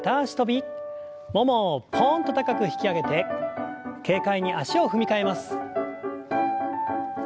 ももをポンと高く引き上げて軽快に足を踏み替えます。